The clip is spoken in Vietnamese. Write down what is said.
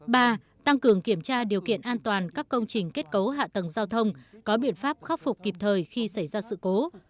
ba tăng cường kiểm tra điều kiện an toàn các công trình kết cấu hạ tầng giao thông có biện pháp khắc phục kịp thời khi xảy ra sự cố